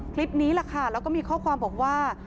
คลิปนี้แหละค่ะแล้วก็มีข้อความบอกว่า